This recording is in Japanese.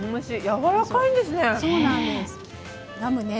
やわらかいんですね。